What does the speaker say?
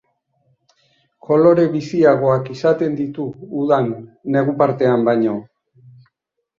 Kolore biziagoak izaten ditu udan negu partean baino.